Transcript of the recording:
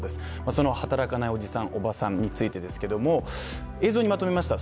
その働かないおじさん、おばさんについてですけれども、映像にまとめました。